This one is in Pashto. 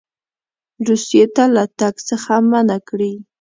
روسیې ته له تګ څخه منع کړي.